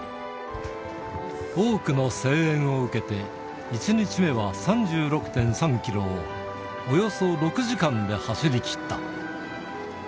多くの声援を受けて、１日目は３６．３キロを、およそ６時間で走り切った。